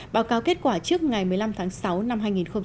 báo cáo kết quả trước ngày một mươi năm tháng sáu năm hai nghìn một mươi bảy